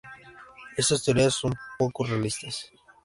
Estas teorías son poco realistas.